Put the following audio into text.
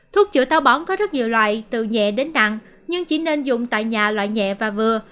thuốc chữa tàu bóng có rất nhiều loại từ nhẹ đến nặng nhưng chỉ nên dùng tại nhà loại nhẹ và vừa